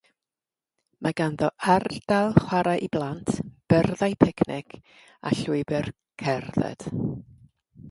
Mae ganddo Ardal Chwarae i Blant, Byrddau Picnic a Llwybr Cerdded.